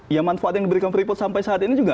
ya manfaat yang diberikan freeport sampai saat ini juga